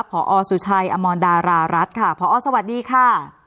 พอสุชัยอมรดารารัฐค่ะพอสวัสดีค่ะ